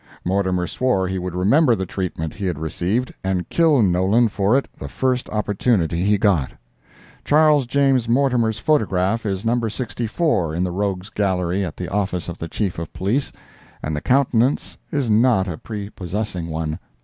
Mortimer swore he would remember the treatment he had received, and kill Nolan for it the first opportunity he got. Charles James Mortimer's photograph is No. 64 in the Rogue's Gallery at the office of the Chief of Police, and the countenance is not a prepossessing one.